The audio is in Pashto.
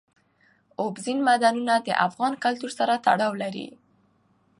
اوبزین معدنونه د افغان کلتور سره تړاو لري.